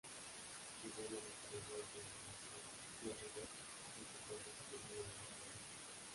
Según el historiador de animación Jerry Beck, este corto se considera perdido.